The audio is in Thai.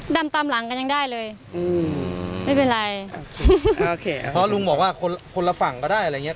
ดำตามหลังกันยังได้เลยอืมไม่เป็นไรโอเคเพราะลุงบอกว่าคนคนละฝั่งก็ได้อะไรอย่างเง